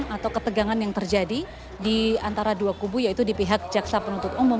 dan juga tegangan yang terjadi di antara dua kubu yaitu di pihak jaksa penutup umum